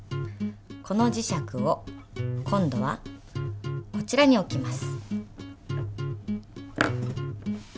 この磁石を今度はこちらに置きます。